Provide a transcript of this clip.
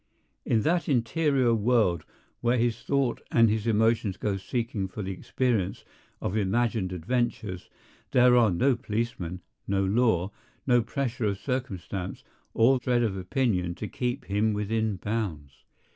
In that interior world where his thought and his emotions go seeking for the experience of imagined adventures, there are no policemen, no law, no pressure of circumstance or dread of opinion to keep him within bounds.